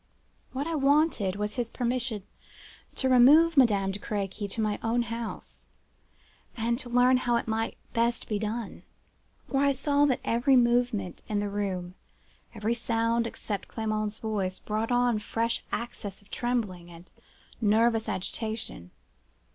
What I wanted was his permission to remove Madame de Crequy to my own house, and to learn how it best could be done; for I saw that every movement in the room, every sound except Clement's voice, brought on a fresh access of trembling and nervous agitation.